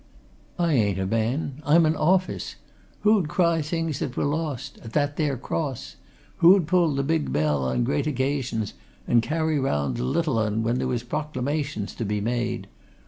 I ain't a man I'm a office! Who'd cry things that was lost at that there Cross? Who'd pull the big bell on great occasions, and carry round the little 'un when there was proclamations to be made?